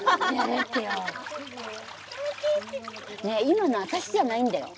今の私じゃないんだよ。